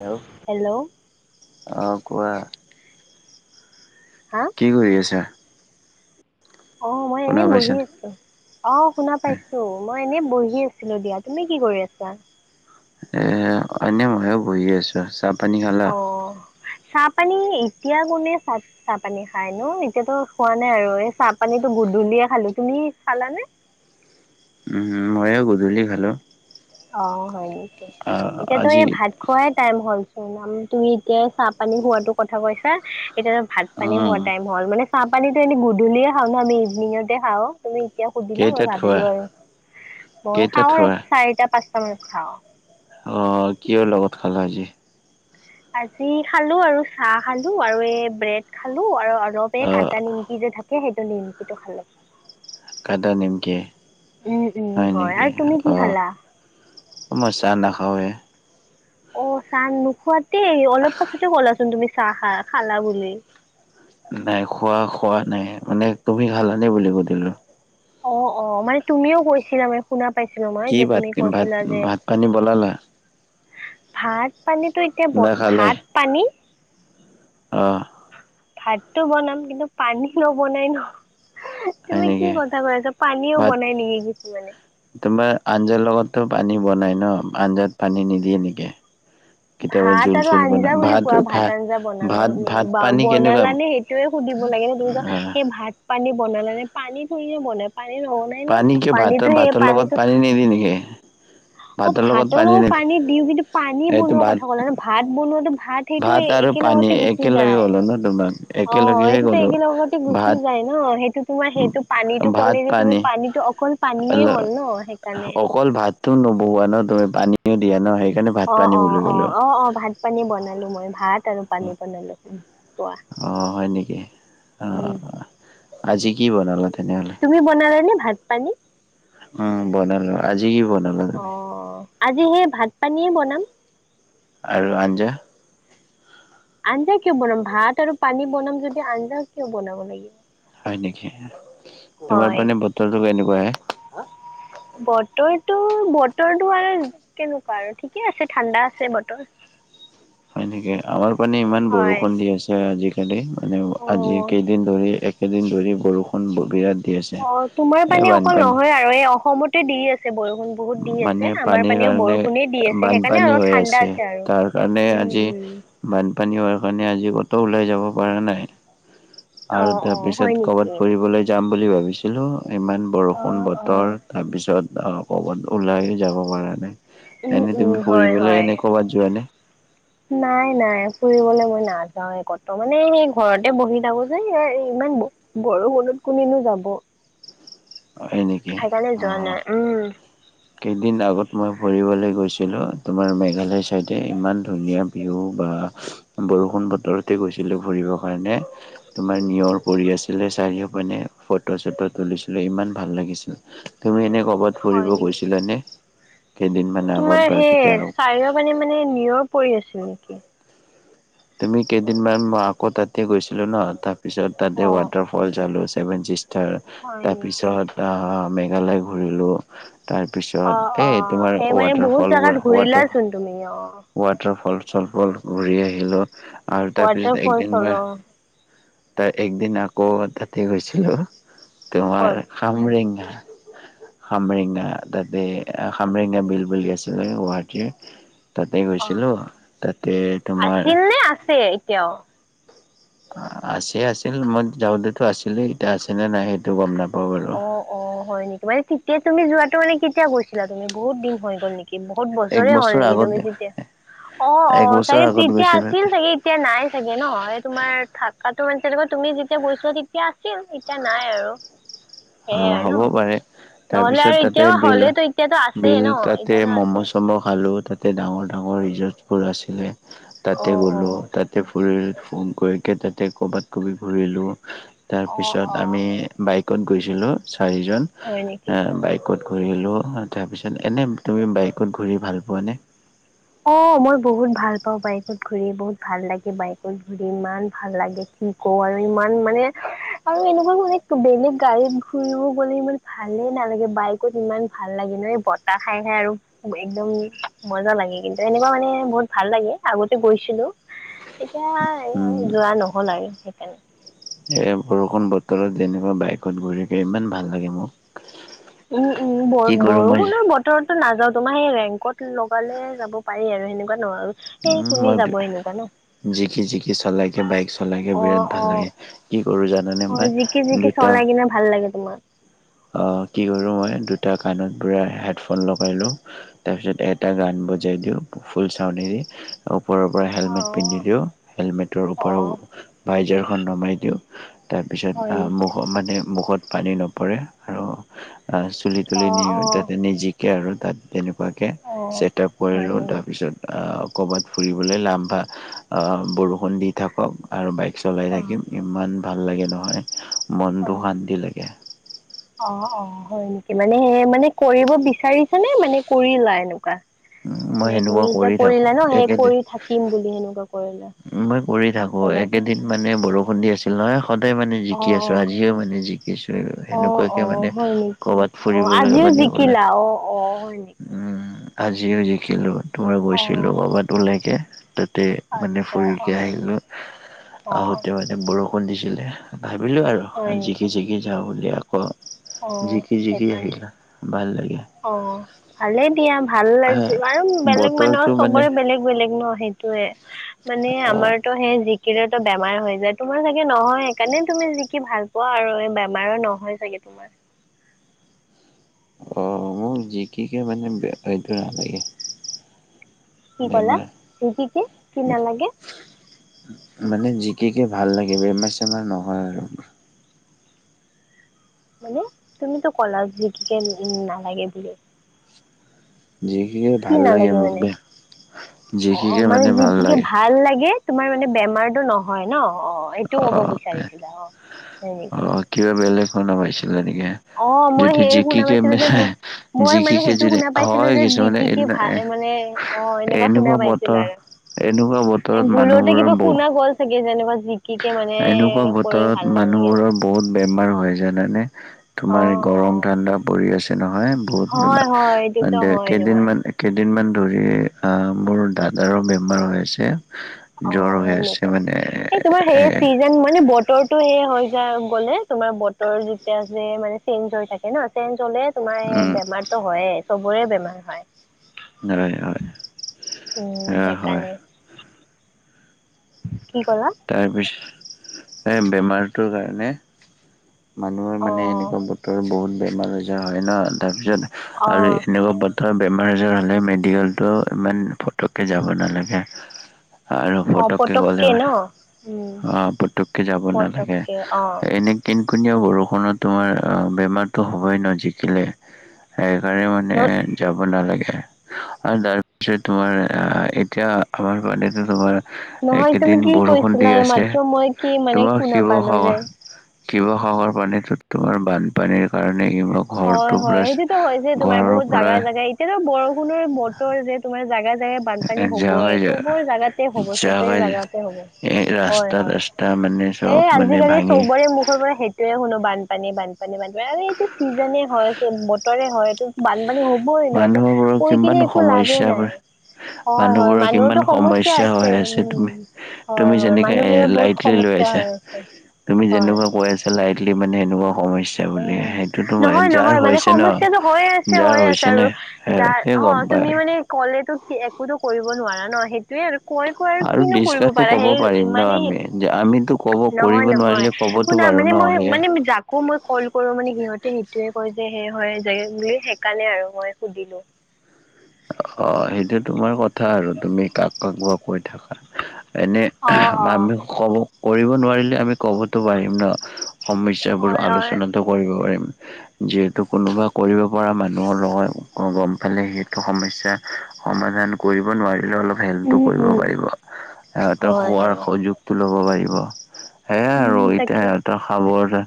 Hello. Hello. অ, কোৱা। হা? কি কৰি আছা? অ, মই শুনা এনেই বহি পাইছানে? আছোঁ। অহ, শুনা পাইছোঁ মই এনেই বহি আছিলোঁ দিয়া, তুমি কি কৰি আছা? এ, এনে মইও বহি আছোঁ চাব অহ, চাহপানী এতিয়া কোনে চাহ চাহ পানী খাই নো এতিয়াতো খোৱা নাই আৰু এই চাহ পানীটো গধূলিয়ে খালো, তুমি খালানে? উম, মইও গধূলি খালো। অহ, হয় নেকি এতিয়াতো আজি এই ভাত খুৱাই টাইম হল চোন তুমি এতিয়াই চাহ পানী খোৱাতো কথা কৈছা এতিয়া ভাত পানী উম, হোৱা টাইম হ'ল মানে চাহ পানীটো এনে গধূলে খাও ন আমি ইভিনিঙতে খাওঁ তুমি এতিয়া সুধিলে মই কেইটাত খোৱা? ভাবিলো আৰু, মই কেইটাত খাওঁ আৰু খোৱা? চাৰিটা পাঁচটা মানত খাওঁ। অ' কিহৰ লগত খালা আজি? আজি খালোঁ আৰু চাহ খালোঁ আৰু এই ব্ৰেড খালোঁ আৰু অলপ অ', কাটা নিমকি যে থাকে সেইটো নিমকিটো খালোঁ। কাটা নিমকি উম উম হয় নেকি? আৰু তুমি কি অ', খালা? মই চাহ নাখাওৱে। অ' চাহ নোখোৱাতেই অলপ পাছতে কলাচোন তুমি চাহ খা-খালা বুলি। নাই খোৱা খোৱা নাই মানে তুমি খালানে বুলি সুধিলোঁ। অ', অ', মানে তুমিও কৈছিলা মানে শুনা পাইছিলোঁ মই কি যে ভাত তুমি ভাত কৈছিলা যে ভাত পানী বনালা ভাত পানীতো এতিয়া ব নে খালাই? ভাত পানী অ'। ভাতটো বনাম কিন্তু পানী নবনাই ন'। হয় তুমি কি নেকি? কথা কৈ আছা পানীও ভাত বনাই নেকি কিছুমানে। তোমাৰ আঞ্জাৰ লগতো পানী বনাই ন আঞ্জাত পানী নিদিয়ে নেকি। কেতিয়াবা ভাত জোল আৰু চোল বনাই আঞ্জা বুলি কোৱা ভাত আঞ্জা বনালে ভাত ভাত বা পানী কেনেকুৱা বনালা নে সেই তুমি সুধিব লাগে ন দুই আহ সেই ভাত পানী বনালে নে পানী থৰি নে বনাই পানী নবনাই। ন পানী কিয় পানীতো ভাতৰ সেই ভাতৰ লগত পানীতো পানী নিদিয়ে নেকি। অ' ভাতৰ লগত পানী দিওঁ কিন্তু পানী এইটো বনোৱা ভাত কথা ক'ল ন ভাত বনোৱাটো ভাত সেইটো আৰু পানী একেলগতে গুচি একেলগে যায় গ'লো ন তোমাক অ' একেলগেহে সেইটোতো গ'লো একেল লগতে ভাত গুচি যায় ন সেইটো তোমাৰ সেইটো পানীটো ভাত ক'লে যে তুমি পানী পানীটো অকল পানীয়ে হ'ল ন সেইকাৰণে। তুমি নবনোৱা ন তুমি পানীয়ে দিয়া ন সেইকাৰণে ভাত অ', পানী বুলি অ', ক'লো অ', অ', অ', ভাত পানী বনালো মই ভাত আৰু পানী বনালো। কোৱা অ' হয় নেকি উম অ' আজি কি বনালে তেনেহ'লে? তুমি বনালা নে ভাত পানী? উম বনালো, আজি বনালো? অ' আজি সেই ভাত পানীয়ে বনাম। আৰু আঞ্জা? আঞ্জা কিয় বনাম? ভাত আৰু পানী বনাম যদি আঞ্জা কিয় বনাব লাগে? হয় নেকি? তোমাৰ পিনে বতৰটো কেনেকুৱাহে? বতৰটো বতৰটো আৰু কেনেকুৱা আৰু ঠিকে আছে ঠাণ্ডা আছে বতৰ। [inaudible] হয় নেকি, আমাৰ পানে ইমান হয়, বৰষুণ দি আছে আজিকালি মানে আজি অ'। কেইদিন ধৰি- কেদিন ধৰি বৰষুণ বিৰাট দি আছে। অ' তোমাৰ এ পানে অকল বানপানী নহয় আৰু, এই অসমতে দি আছে বৰষুণ। বহুত দি মানে আছে আমাৰ পানীৰ পানেও কাৰণে বৰষুণে দি আছে সেইকাৰণে বানপানী অলপ হৈ ঠাণ্ডা আছে আৰু, তাৰ কাৰণে উম আজি উম'। বানপানী হোৱাৰ কাৰণে আজি কতো ওলাই যাব পৰা নাই। আৰু অ', অ', হয় তাৰপিছত নেকি? কবাত ফুৰিবলৈ- যাম বুলি ভাবিছিলোঁ, ইমান বৰষুণ অ', বতৰ অ', তাৰপিছত আ- ক'বাত ওলাইও যাব পৰা নাই, উম, এনেই উম, তুমি হয়, ফুৰিবলে হয়। এনেই ক'বাত যোৱানে? নাই নাই ফুৰিবলৈ মই নাযাওঁৱে কতো, মানে সেই ঘৰতে বহি থাকো যে, ইমান- বৰষুণত কোনেনো যাব। হয় নেকি? সেইকাৰণে অঁ যোৱা অ। নাই উম কেইদিন আগত মই ফুৰিবলৈ গৈছিলো, তোমাৰ মেঘালয় চাইদে ইমান ধুনীয়া- ভিও বা বৰষুণ বতৰতে গৈছিলো ফুৰিবৰ কাৰণে। তোমাৰ নিয়ৰ পৰি আছিলে চাৰিওপিনে ফটো চটো তুলিছ- ছিলো ইমান ভাল লাগিছিল। তুমি এনেই ক'ৰবাত ফুৰিব হয় নেকি গৈছিলানে কেইদিনমান? আগত তোমাৰ বা সেই কেতিয়া চাৰিও পিনে মানে নিয়ৰ পৰি আছিল নেকি? তুমি কেইদিনমান মই আকৌ তাতে গৈছিলোঁ ন, তাৰপিছত অ তাতে ৱাটাৰ- ফল ছালোঁ, ছেভেন চিষ্টাৰ, হয় নেকি তাৰপিছত আ মেঘালয় ঘূৰিলোঁ। অ তাৰপিছত অ এই তোমাৰ সেই মানে বহুত জাগাত ৱাটাৰফলবোৰ ৱাটাৰ- ঘূৰিলাচোন তুমি অঁ'- ৱাটাৰ ফল চল বোৰ ঘূৰি আহিলো আৰু ৱাটাৰ তাৰপিছত একদিন ফলছৰ মই- অ ত একদিন আকৌ তাতে গৈছিলো, ক'ত তোমাৰ- খামৰেঙা। খামৰেঙা তাতে খামৰেঙা বিল বুলি আছিলে গুৱাহাটীৰ। তাতে গৈছিলো অঁ' তাতে তোমাৰ আছিল নে আছে এতিয়াও? আছে আছিল, মই যাওঁতেতো আছিলেই এতিয়া আছেনে নাই সেইটো গম নাপাওঁ বাৰু। অঁ' হয় নেকি মানে তেতিয়া তুমি যোৱাটো মানে কেতিয়া গৈছিলা তুমি বহুত দিন হৈ গ'ল নেকি? কি বহুত এক বছৰে হ'ল বছৰ নেকি তুমি আগতে তেতিয়া অ' এক অ' বছৰ চাগে আগত তেতিয়া গৈছিল আছিল তাতে চাগে- এতিয়া নাই চাগে ন' এই তোমাৰ থাকাতো মানে তেনেকুৱা তুমি যেতিয়া গৈছিলা তেতিয়া আছিল, এতিয়া নাই আৰু। সেয়ে অঁ' আৰু ন হ'বও পাৰে। নহ'লে তাৰপিছত আৰু তাতে এতিয়াও বিল, হ'লেতো এতিয়াতো আছেই বিল ন তাতে এতিয়াতো ম'ম' আছে চ'ম' খালো তাত- তে ডাঙৰ ডাঙৰ ৰিজৰ্টবোৰ আছিলে তাতে অ', গলোঁ, অ', তাত- তাতে ফুৰিল ফোন কৰিকে তাতে কৰ'বাত কবি ঘুৰিলো। অ', তাৰপিছত অ', আমি বাইকত গৈছিলোঁ চাৰিজন, হয় নেকি এঁ বাইক- কত ঘূৰিলোঁ, তাৰপিছত এনেই তুমি বাইকত ঘূৰি ভাল পোৱানে? অঁ' মই বহুত ভাল পাওঁ বাইকত ঘূৰি, বহুত ভাল লাগে বাইকত ঘুৰি, ইমান ভাল লাগে কি- ক‌ওঁ আৰু ইমান মানে আৰু এনেকুৱা মানে বেলেগ গাড়ীত ঘুৰিব গ'লে ইমান- ভালে নালাগে বাইকত ইমান ভাল লাগে ন' এই বতাহ খাই খাই আৰু- একদম মজা লাগে কিন্তু, এনেকুৱা মানে বহুত ভাল লাগে আগতে গৈছিলো। এতিয়া আৰু উম। যোৱা নহ'ল আৰু সেইকাৰণে। এ বৰষুণ বতৰত যেনেকুৱা বাইকত ঘূৰিকে ইমান ভাল লাগে মোক। উম। উম। বৰ কি কৰো মই -বৰষুণৰ বত -ৰতটো নাযাওঁ। তোমাৰ সেই ৰেইনকোত লগালে যাব পাৰি আৰু। সেনেকুৱা নোৱাৰোঁ। উম। মই জিকি- জিকি চলাইকে, বাইক চলাইকে অ বিৰাট ভাল অ লাগে। কি কৰোঁ জানানে অ মই, জিকি জিকি দুটা চলাই কিনে ভাল লাগে তোমাক অ' কি কৰোঁ মই, দুটা কাণত পুৰা হেডফোন লগাই ল‌ওঁ তাৰ পিছত এটা গান বজাই দিওঁ, ফুল চাউনেদি। ওপৰৰ পৰা অ হেলমেট পিন্ধি দিওঁ। হেলমেটৰ অ ওপৰৰ বাইজাৰখন নমাই দিওঁ। হয় তাৰপিছত নেকি মুখ মানে মুখত পানী নপৰে, আৰু আহ চুলি- অ তুলি নিওঁ, অ তাতে নিজিকে আৰু তাত। তেনেকুৱাকে অ চেটআপ কৰি হয় লওঁ। নেকি তাৰপিছত আ ক'ৰবাত ফুৰিবলৈ লাম্ভা, আ বৰষুণ দি থাকক। আৰু বাইক চলাই অ থাকিম। ইম্মান ভাল লাগে নহয়, মনটো শান্তি লাগে। অ'হ। অ'হ। হয় নেকি? মানে- মানে কৰিব বিচাৰিছানে? মানে কৰিলা এনেকুৱা? উম মই মানে তুমি সেনেকুৱা এতিয়া কৰি থাকো কৰিলা ন। সেই একেদিন কৰি থাকিম বুলি সেনেকুৱা কৰিলা? মই কৰি থাকোঁ। কলা যে এইকেদিন মানে বৰষুণ দি আছিল নহয়। সদায় মানে অ জিকি অ আছোঁ। আজিও মানে জিকিছোঁ। সেনেকুৱাকে মানে হুহ। কৰ'বাত অ' ফুৰিবলৈ আজিও জিকিলা অ'-অ', হয় নেক উম। উম। আজিও জিকিলো। তোমাৰ অ গৈছিলো কৰ'বাত, ওলাইকে। তাতে মানে আচ্ছা অ ফুৰিকে আহিলোঁ। অ আহোঁতে মানে বৰষুণ দিছিলে। ভাবিলোঁ হয় আৰু জিকি- জিকি যাওঁ বুলি। আকৌ অ জিকি- জিকি সেইকাৰণে আহিলা। ভাল লাগে। অ ভালে দিয়া। ভাল আহ লাগছে। আৰু বেলেগ বতৰটো মানুহৰ মানে চবৰে বেলেগ বেলেগ ন। সেইট -টোৱে, মানে অ আমাৰতো সেই জিকিলেটো বেমাৰ হৈ যায় তোমাৰ চাগে নহয়, সেইকাৰণে তুমি জিকি ভাল পোৱা আৰু। এই বেমাৰো নহয় চাগে তো তোমাৰ। অ'হ অ' মোক জিকিকে মানে বেয়া [unintelligible] নালাগে। কি ক'লা? বেমাৰ জিকিকে, কি নালাগে? মানে জিকিকে ভাল লাগে বে, বেমাৰ- চেমাৰ নহয় আ মানে? তুমিতো ক'লা জিকিকে নালাগে বুলি। জিকিকে কি ভাল লাগে নালাগে মোক মানে? বে অ' জিকিকে অ' মানে ভাল জিকিকে লাগে ভাল লাগে? তোমাৰ মানে বেমাৰতটো নহয় ন। অ'। অ'হ। এইটো অ ক'ব বিচাৰিছিলা। অ' হয় অ নেকি? কিবা বেলেগ শুনা পাইছিলা নেকি হা? অ'হ। মই সেইয়ে শুনা পাইছিলো যে- মই মই মানে জিকিকে সেইটো যদি শুনা পাইছিলো হয় যে কিছুমানে -জিকিকে ভাল মানে অ'হ। এনেকুৱা শুনা পাইছিলো আৰু। এনেকুৱা বতৰত ভুলতে মানুহবোৰৰ কিবা বহু শুনা গ'ল চাগে, যেনেকুৱা জিকিকে মানে এনেকুৱা কৰি বতৰত ভাল নালাগে। মানুহবোৰৰ বহুত বেমাৰ হৈ জানানে, অ তোমাৰ অ গৰম ঠাণ্ডা পৰি আছে নহয়। বহুত হয় বেমাৰ। হয় এইটোতো [unintelligible] হয় তোমাৰ কেইদিনমানে কেইদিনমান ধৰি মোৰ দাদাৰো বেমাৰ হৈ আছে। অ জ্বৰ হৈ আছে মানে এ যে মানে বতৰটো সে হৈ য গ'লে, তোমাৰ বতৰ যেতিয়া যে মানে চেঞ্জ হৈ থাকে। -কে ন, চেঞ্জ হ'লে তোমাৰ সেই উম বেমাৰতো হয়েই। চবৰে বেমাৰ হয়। হয়। উম হয়। হয়। সেইকাৰণে কি ক'লা? তাৰপিছত, এই বেমাৰটোৰ কাৰণে মানুহৰ অ মানে এনেকুৱা বতৰ বহুত বেমাৰ আজাৰ হয় ন, তাৰ পিছত আৰু অ এনেকুৱা বত ধৰা বেমাৰ আজাৰ হ'লে মেডিকেলটো ইমান পটককৈ যাব নালাগে। আৰু অ পটককৈ গ'লে পটককে ন মানে উম অ' পটককৈ যাব নালাগে। পটককে অ এনেই কিনকিনিয়া বৰষুণত তোমাৰ বেমাৰটো হ'বই ন জিকিলে। সেইকাৰণে মানে ন যাব নালাগে, আৰু তাৰপিছত তোমাৰ এতিয়া আমাৰ ফালটো তোমাৰ নহয় তুমি এইকেইদিন কি বৰষুণ কৈছিলা দি আছে, এইমাত্ৰ মই কি মানে তোমাৰ শুনা পালো যে শিৱসাগৰ শিৱসাগৰ পানীটোত তোমাৰ বানপানীৰ কাৰণে [unintelligible] হয় হয় পুৰা সেইটোটো হৈছে তোমাৰ ঘৰৰ বহুত পৰা জাগাই জাগাই এতিয়াতো বৰষুণৰ বতৰ যে তোমাৰ জাগাই জাগাই এতিয়া বানপানী হ'বই, জাগাই চবৰে জাগাতে হ'ব চবে জাগাই জাগাতে হ'ব। এই হয়' ৰাস্তা হয়', ৰাস্তা মানে চব এই মানে আজিকালি ভাঙি চবৰে মুখৰ পৰা সেই য়ে শুনো বানপানী বানপানী বানপানী, আৰু এইটো চিজনে হয় বতৰে হয় এইটো বানপানী হ'বই নহ মানুহবোৰৰ কৈ কিনে কিমান একো লাভেই সমস্যা নাই। হয় হয় মানুহবোৰৰ কিমান মানুহৰতো সমস্যা আছে, হৈ তুমি উম হয়, তুমি হয়, যেনেকে এ মানুহবিলাক বহুত লাইটলি লৈ সমস্যা আছা হৈ আছে। তুমি হয় যেনেকোৱা কৈ আছাঁ লাইটলি মানে, এনেকোৱা সমস্যা সেই বুলি উম সেইটো নহয় তোমাৰ যাৰ হৈছে ন, যাৰ হৈছে হেল্লো নে জান সিহঁতে অ' গম পায় তুমি আৰু মানে কলেজত কি একোটো কৰিব নোৱাৰা ন, সেইটোয়ে আৰু কৈ কৈ আৰু কিনো কৰিব ডিচকাচটো পাৰা, ক'ব সেই পাৰিম ন ইমানেই আমি সেইটো, যে আমিতো ক'ব কৰিব নহয় নহয় নোৱাৰিলে ক'বতো শুনা পাৰো মানে ন মই, সেয়ে মানে মই যাক আকৌ মই ক'ল কৰোঁ মানে সিহঁতে সিটোৱে কয় যে সেই হয় যে বুলি সেইকাৰনে আৰু মই সুধিলোঁ। অ' সেইটো তোমাৰ কথা আৰু তুমি কাক কাক কোৱা কৈ থাকা। এনে অ অ আমি ক'ব, কৰিব নোৱাৰিলে আমি ক'বতো পাৰিম ন। সমস্যাবোৰ হয় হয় আলোচনাটো কৰিব পাৰিম, যিহেতু কোনোবা কৰিব পৰা মানুহৰ লগত গ'ম পালে সেই সমস্যা সমাধান কৰিব নোৱাৰিলোঁ অলপ হেল্পটো উম কৰিব উম পাৰিব, সিহঁতৰ হয় খোৱাৰ সুযোগটো ল'ব পাৰিব। সেয়াই উম আৰু এতিয়া তাকে সিহঁতৰ খাব যে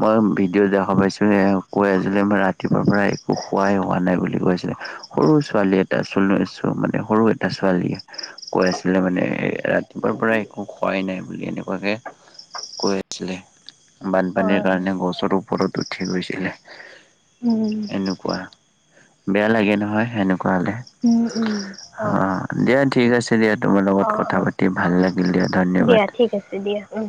মই ভিডিঅ' দেখা পাইছো হেয়া কৈ আছিলে, ৰাতিপুৱাৰ পৰা একো খোৱাই হোৱা নাই বুলি কৈ আছিলে। সৰু ছোৱালী এটা [unintelligible] মানে সৰু এটা ছোৱালীয়ে কৈ আছিলে মানে ৰাতিপুৱাৰ পৰা একো খোৱাই নাই বুলি এনে মানে কৈ আছিলে, হয় বানপানীৰ হয় কাৰণে গছৰো ওপৰত উঠি গৈছিলে উম'। এনেকুৱা, বেয়া লাগে নহয় হেনেকোৱা হ'লে। উম, উম, অ হয়। দিয়া ঠিক আছে দিয়া, তোমাৰ লগত অ কথা অ পাতি ভাল লাগিল দিয়া ধন্যবাদ। দিয়া ঠিক আছে দিয়া উম।